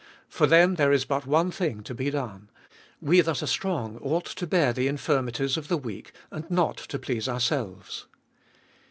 For them there is but one thing to be done : We that are strong ought to bear the infirmities of the weak, and not to please our selves.